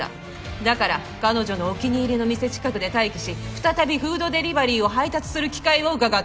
だから彼女のお気に入りの店近くで待機し再びフードデリバリーを配達する機会を伺った。